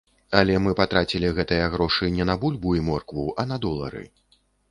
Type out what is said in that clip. Але мы патрацілі гэтыя грошы не на бульбу і моркву, а на долары.